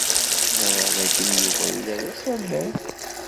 Ẓriɣ dakken Yuba yella d aserdas.